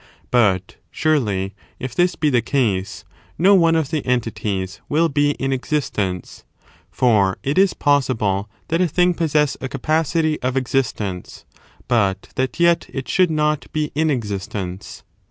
But, surely, if this be the case, no one of the entities will be in existence; for it is possible that a thing possess a capacity of existence, but that yet it should not be in existence.